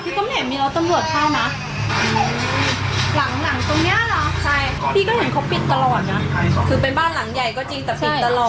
พี่ก็เห็นเขาปิดตลอดนะคือเป็นบ้านหลังใหญ่ก็จริงแต่ปิดตลอด